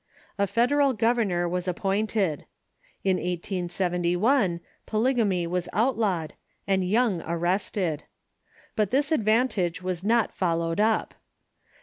A Federal governor was ap pointed. In 1871, polj^gamy Avas outlawed and Young ar rested. But this advantage was not followed up.